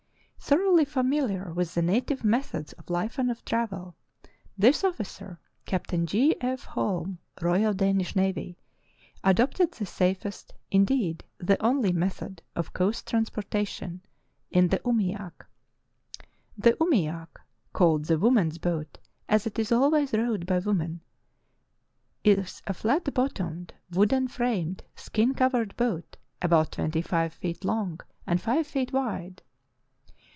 Thoroughly familiar with the native methods of life and of travel, this officer, Captain G. F. Holm, Royal Danish Navy, adopted the safest, indeed, the only, method of coast transportation — in the umiak. The umiak (called the woman's boat, as it is always rowed by women) is a flat bottomed, wooden framed, skin covered boat about twenty five feet long and five feet wide.